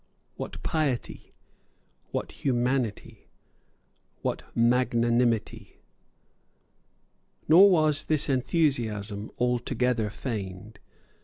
What piety! What humanity! What magnanimity! Nor was this enthusiasm altogether feigned.